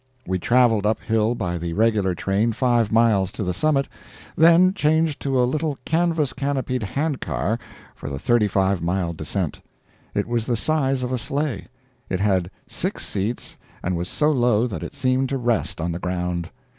We traveled up hill by the regular train five miles to the summit, then changed to a little canvas canopied hand car for the 35 mile descent. It was the size of a sleigh, it had six seats and was so low that it seemed to rest on the ground.